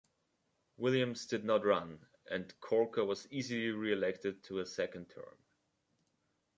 Williams did not run, and Corker was easily reelected to a second term.